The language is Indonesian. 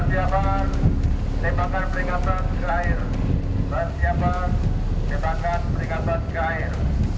bersiapkan tembakan peringatan ke air bersiapkan tembakan peringatan ke air